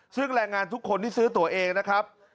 ซึ่งแรงงานทุกคนที่ซื้อตัวเองนะครับ